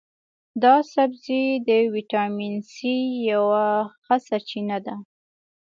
دا سبزی د ویټامین سي یوه ښه سرچینه ده.